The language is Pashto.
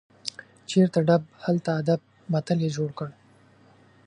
چیرته ډب، هلته ادب متل یې جوړ کړ.